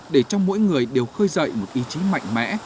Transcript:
để cho mỗi người đều khơi dậy một ý chí mạnh mẽ